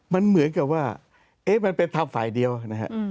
มันเหมือนกับว่าเอ๊ะมันเป็นธรรมฝ่ายเดียวนะฮะ